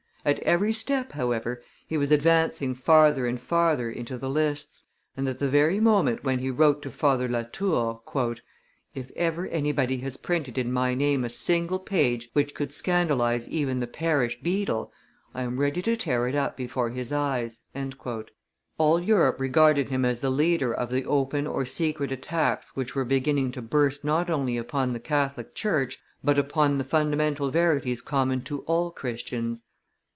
At every step, however, he was advancing farther and farther into the lists, and at the very moment when he wrote to Father La Tour, "If ever anybody has printed in my name a single page which could scandalize even the parish beadle, I am ready to tear it up before his eyes," all Europe regarded him as the leader of the open or secret attacks which were beginning to burst not only upon the Catholic church, but upon the fundamental verities common to all Christians.